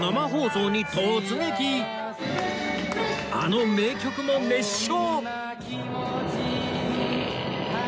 あの名曲も熱唱！